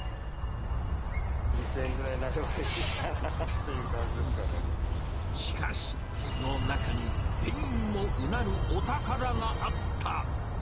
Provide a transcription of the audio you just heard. ２０００円ぐらいになればいしかし、その中に、店員もうなるお宝があった。